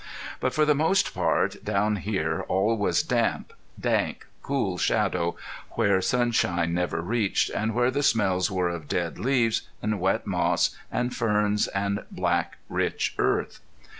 But for the most part, down here all was damp, dank, cool shadow where sunshine never reached, and where the smells were of dead leaves and wet moss and ferns and black rich earth.